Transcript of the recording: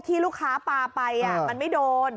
ที่ลูกค้าปลาไปมันไม่โดน